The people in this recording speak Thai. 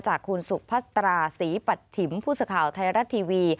จากคุณสุพัตราศรีปัชฉิมผู้สื่อข่าวไทยรัฐทีวี